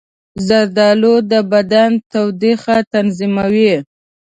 زردالو د بدن تودوخه تنظیموي.